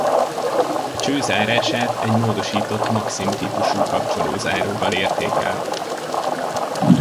A cső zárását egy módosított Maxim-típusú kapcsoló-záróval érték el.